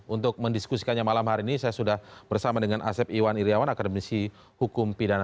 untuk mendiskusikannya malam hari ini saya sudah bersama dengan asep iwan iryawan akademisi hukum pidana